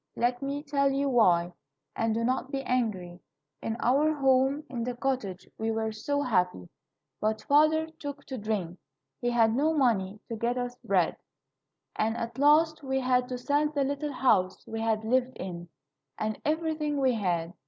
Let me tell you why, and do not be angry. In our home in the cottage we were so happy, but father took to drink. He had no money to get us bread, and at last we had to sell the little house we had lived in, and everything we had.